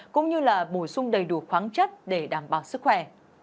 cũng như là bổ sung đầy đủ khoáng chất để đảm bảo sức khỏe